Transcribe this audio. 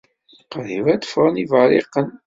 Qrib ad ffɣen iberriqen